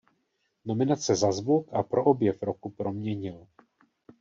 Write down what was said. Nominace za zvuk a pro objev roku proměnil.